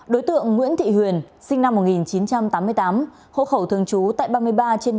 đối tượng nguyễn thị huyền sinh năm một nghìn chín trăm tám mươi tám hộ khẩu thường trú tại ba mươi ba trên